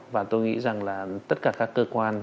và tôi nghĩ rằng là tất cả các cơ quan